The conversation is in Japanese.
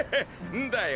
んだよ